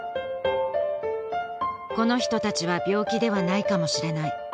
「この人たちは病気ではないかも知れない」